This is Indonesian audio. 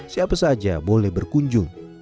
siapa saja boleh berkunjung